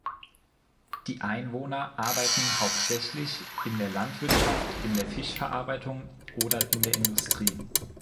Die Einwohner arbeiten hauptsächlich in der Landwirtschaft, in der Fischverarbeitung oder in der Industrie.